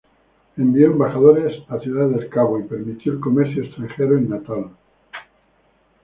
Envió embajadores a Ciudad del Cabo y permitió el comercio extranjero en Natal.